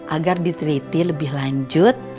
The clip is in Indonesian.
agar di treaty lebih lanjut